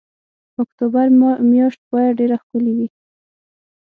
اکتوبر میاشت باید ډېره ښکلې وي.